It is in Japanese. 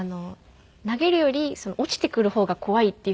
投げるより落ちてくる方が怖いっていうふうに言われて。